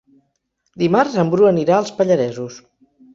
Dimarts en Bru anirà als Pallaresos.